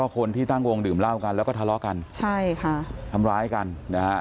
คนที่ตั้งวงดื่มเล่ากันแล้วก็ทะเลาะกัน